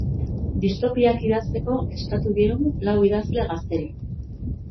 Distopiak idazteko eskatu diegu lau idazle gazteri.